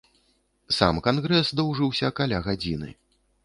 Сам кангрэс доўжыўся каля гадзіны.